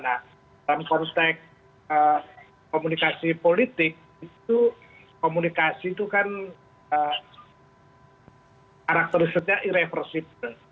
nah dalam konteks komunikasi politik itu komunikasi itu kan karakterisernya irreversible